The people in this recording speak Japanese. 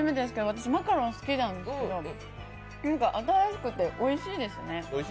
私、マカロン好きなんですけど、新しくておいしいですね。